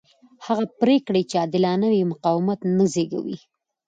هغه پرېکړې چې عادلانه وي مقاومت نه زېږوي